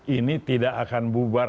ini tidak akan bubar